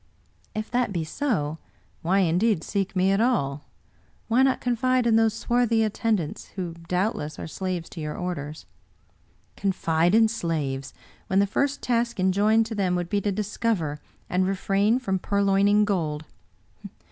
" If that be so, why, indeed, seek me at all? Why not confide in those swarthy attendants, who doubtless are slaves to your orders?" " Confide in slaves, when the first task enjoined to them would be to discover, and refrain from purloining gold!